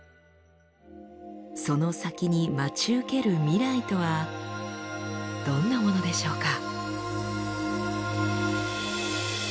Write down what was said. その先に待ち受ける未来とはどんなものでしょうか？